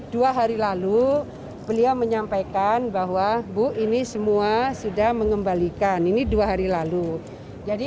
dua hari lalu beliau menyampaikan bahwa bu ini semua sudah mengembalikan ini dua hari lalu jadi